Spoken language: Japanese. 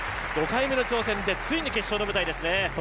５回目の挑戦でついに決勝の舞台ですね。